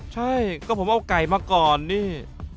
ใช่ก็ผมเอาไก่มาก่อนนี่